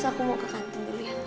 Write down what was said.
aku mau ke kantor dulu ya